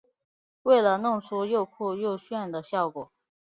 为了弄出又酷又炫的效果